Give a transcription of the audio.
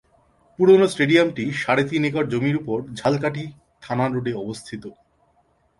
পুরনো স্টেডিয়ামটি সাড়ে তিন একর জমির উপর ঝালকাঠি থানা রোডে অবস্থিত।